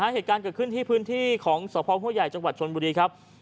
เหตุการณ์เกิดขึ้นที่พื้นที่ของสพหัวใหญ่จังหวัดชนบุรีครับ